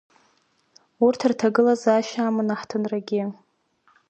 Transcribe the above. Урҭ рҭагылазаашьа аман аҳҭынрагьы.